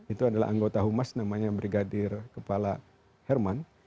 itu adalah anggota humas namanya brigadir kepala herman